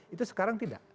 itu sekarang tidak